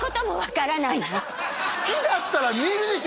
好きだったら見るでしょ